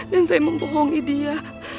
dan saya membohongi dia